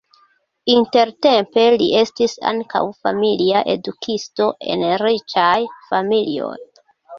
Intertempe li estis ankaŭ familia edukisto en riĉaj familioj.